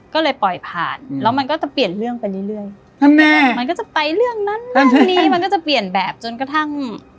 ก็เลยปล่อยผ่านแล้วมันก็จะเปลี่ยนเรื่องไปเรื่อยเรื่อยมันก็จะไปเรื่องนั้นเรื่องนี้มันก็จะเปลี่ยนแบบจนกระทั่ง